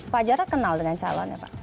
pak jaro kenal dengan calonnya pak